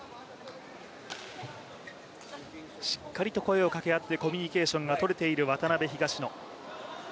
しっかりと声をかけ合ってコミュニケーションがとれている渡辺・東野。